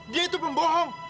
dia itu pembohong